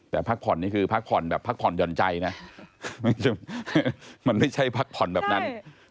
แต่พักผ่อนนี่คือพักผ่อนแบบพักผ่อนหย่อนใจนะมันไม่ใช่พักผ่อนแบบนั้น